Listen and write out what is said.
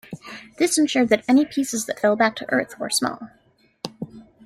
This ensured that any pieces that fell back to Earth were small.